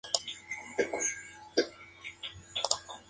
Su mejor amigo, Hugo Goulding.